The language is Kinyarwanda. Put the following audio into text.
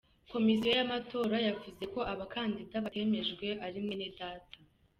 Komisiyo y’amatora yavuze ko abakandida batemejwe ari Mwenedata.